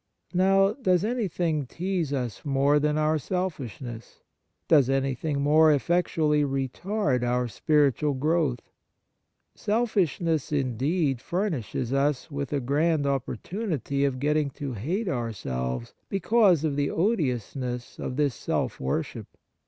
Now, does anything tease us more than our selfishness ? Does anything more effectually retard our spiritual growth ? Selfishness, indeed, furnishes us with a grand opportunity of getting to hate our selves, because of the odiousness of this self worship.